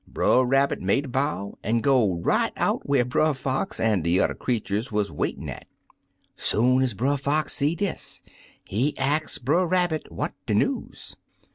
Brer Rabbit make a bow, an* go right out whar Brer Fox an* de yuther creeturs wuz waitin* at. "Soon ez Brer Fox see dis, he ax Brer Rabbit what de news.